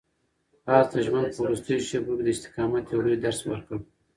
آس د ژوند په وروستیو شېبو کې د استقامت یو لوی درس ورکړ.